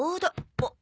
あっ！